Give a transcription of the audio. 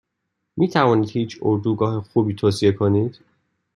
میتوانید هیچ اردوگاه خوبی توصیه کنید؟